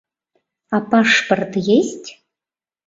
А пашпорт есть?